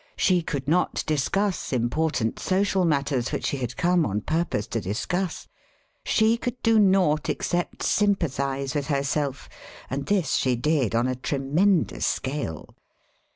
She could not discuss important social matters, which she had come on purpose to discuss. She could do naught except sympathise with herself, and this she did on a tremendous scale.